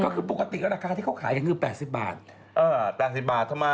คือปกติละราคาที่พี่ขายก็คือ๘๐บาท